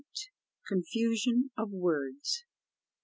CONFUSION OF WORDS.